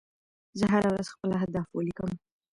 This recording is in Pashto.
زه هره ورځ خپل اهداف ولیکم.